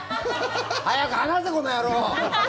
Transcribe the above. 早く話せ、この野郎！